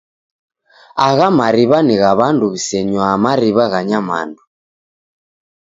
Agha mariwa ni gha w'andu w'isenywaa mariw'a gha nyamandu.